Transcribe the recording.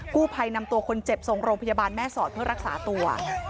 ผู้ภัยนำตัวคนเจ็บส่งโรงพยาบาลแม่สอดเพื่อรักษาตัว